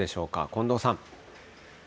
近藤さん。